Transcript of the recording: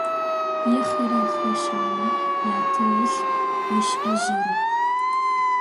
Ехъырэхъышалэ ятэ ылъ ышӏэжьырэп.